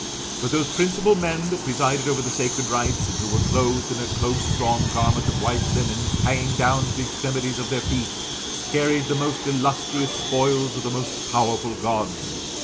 But those principal men that presided over the sacred rites, and who were clothed in a close drawn garment of white linen, hanging down to the extremities of their feet, carried the most illustrious spoils' of the most powerful Gods.